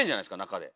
中で。